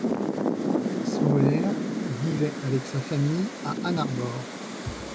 Smoller vivait avec sa famille à Ann Arbor.